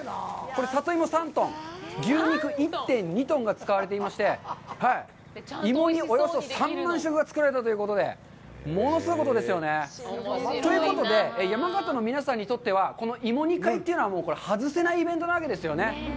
これ、里芋３トン、牛肉１．２トンが使われていまして、芋煮およそ３万食が作られたということで、物すごいことですよね。ということで、山形の皆さんにとってはこの芋煮会というのは外せないイベントなわけですよね。